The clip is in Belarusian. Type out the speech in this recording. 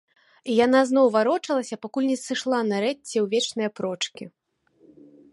І яна зноў варочалася, пакуль не сышла нарэшце ў вечныя прочкі.